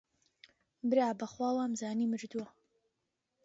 برا بەخوا وەمانزانی مردووی